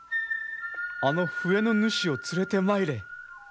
あの笛の主を連れてまいれ。